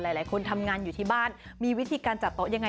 หลายคนทำงานอยู่ที่บ้านมีวิธีการจัดโต๊ะยังไง